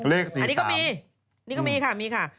อันนี้ก็มีนี่ก็มีค่ะมีค่ะ